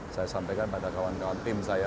saya sampaikan pada kawan kawan tim saya